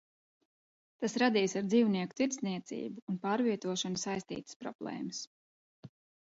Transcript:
Tas radīs ar dzīvnieku tirdzniecību un pārvietošanu saistītas problēmas.